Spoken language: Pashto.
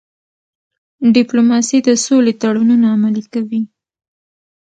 ډيپلوماسي د سولې تړونونه عملي کوي.